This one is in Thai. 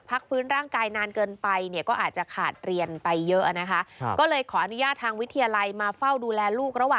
พักฟื้นร่างกายนานเกินไปก็อาจจะขาดเรียนไปเยอะนะคะ